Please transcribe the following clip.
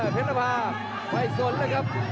เผ็ดภาพไว้สนแล้วครับ